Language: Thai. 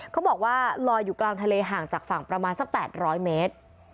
เขาบอกว่าลอยอยู่กลางทะเลห่างจากฝั่งประมาณสัก๘๐๐เมตร